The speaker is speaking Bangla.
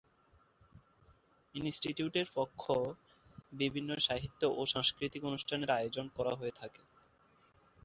ইনস্টিটিউটের পক্ষ বিভিন্ন সাহিত্য ও সাংস্কৃতিক অনুষ্ঠানের আয়োজন করা হয়ে থাকে।